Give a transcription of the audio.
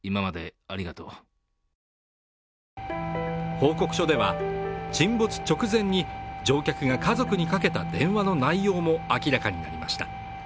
報告書では、沈没直前に乗客が家族にかけた電話の内容も明らかになりました。